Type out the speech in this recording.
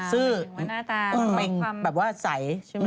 หน้าตาแบบว่าใส